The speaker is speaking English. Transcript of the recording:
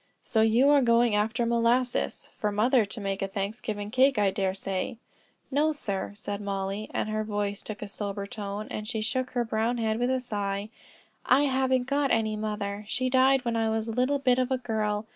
So you are going after molasses, for mother to make a Thanksgiving cake, I dare say." "No, sir," said Mollie, and her voice took a sober tone, and she shook her brown head with a sigh. "I haven't got any mother; she died when I was a little bit of a girl.